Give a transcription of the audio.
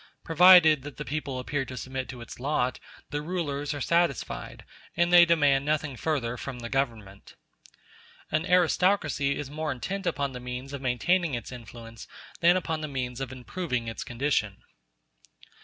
Provided that the people appear to submit to its lot, the rulers are satisfied, and they demand nothing further from the Government. An aristocracy is more intent upon the means of maintaining its influence than upon the means of improving its condition.